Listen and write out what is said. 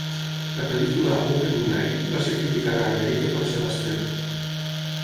La pel·lícula "Opening Night" va ser criticada a Amèrica quan es va estrenar.